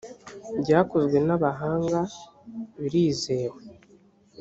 byakozwe n abahanga birizewe